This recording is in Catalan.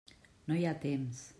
No hi ha temps.